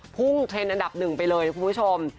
เทรนด์อันดับหนึ่งไปเลยคุณผู้ชม